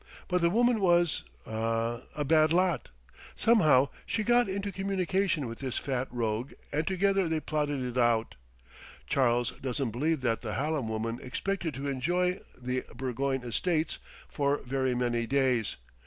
But the woman was ah a bad lot. Somehow she got into communication with this fat rogue and together they plotted it out. Charles doesn't believe that the Hallam woman expected to enjoy the Burgoyne estates for very many days.